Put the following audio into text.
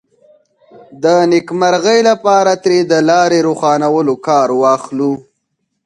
د نېکمرغۍ لپاره ترې د لارې روښانولو کار واخلو.